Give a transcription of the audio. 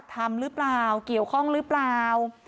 ทำหรือเปล่าเกี่ยวข้องหรือเปล่า